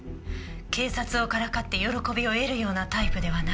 警察をからかって喜びを得るようなタイプではない。